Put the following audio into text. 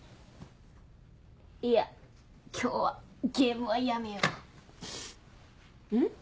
いや今日はゲームはやめよう。